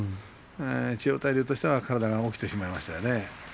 千代大龍としては体が起きてしまいましたね。